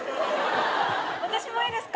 私もいいですか？